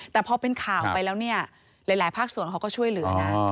แต่พอเป็นข่าวไปแล้วเนี่ยหลายภาคส่วนเขาก็ช่วยเหลือนะ